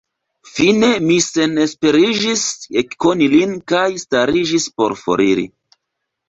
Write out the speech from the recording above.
Fine mi senesperiĝis ekkoni lin, kaj stariĝis por foriri.